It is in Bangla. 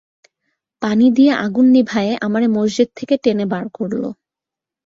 পানি দিয়ে আগুন নিভায়ে আমারে মসজিদ থেকে টেনে বার করল!